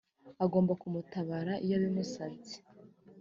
agomba kumutabara iyo abimusabye